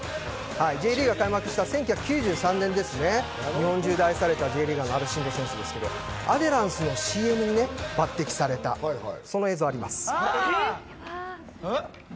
Ｊリーグが開幕した１９９３年ですね、日本中で愛されたＪリーガーのアルシンド選手なんですけど、アデランスのＣＭに抜擢されたその映像があります。